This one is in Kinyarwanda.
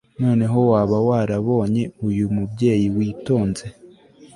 noneho waba warabonye uyu mubyeyi witonze